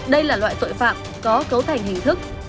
đây là loại tội phạm có cấu thành hình thức